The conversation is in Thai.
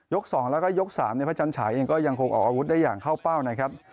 ๒แล้วก็ยก๓พระจันฉายเองก็ยังคงออกอาวุธได้อย่างเข้าเป้านะครับ